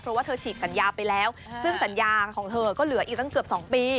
เพราะว่าเธอฉีกสัญญาไปแล้วซึ่งสัญญาของเธอก็เหลืออีกตั้งเกือบ๒ปี